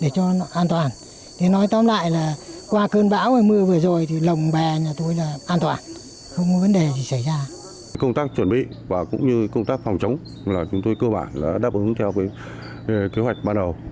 công tác chuẩn bị và cũng như công tác phòng chống là chúng tôi cơ bản đã đáp ứng theo kế hoạch ban đầu